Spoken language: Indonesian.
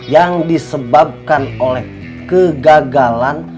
yang disebabkan oleh kegagalan